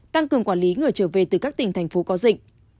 tăng cường quản lý người trở về từ các tỉnh thành phố có dịch